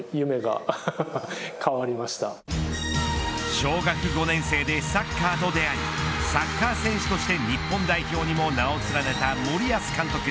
小学５年生でサッカーと出会いサッカー選手として日本代表にも名を連ねた森保監督。